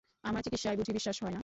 আমার চিকিৎসায় বুঝি বিশ্বাস হয় না?